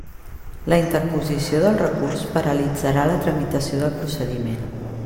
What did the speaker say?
La interposició del recurs paralitzarà la tramitació del procediment.